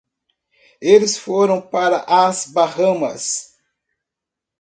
Eles foram para as Bahamas.